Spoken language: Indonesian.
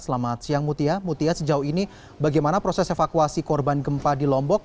selamat siang mutia mutia sejauh ini bagaimana proses evakuasi korban gempa di lombok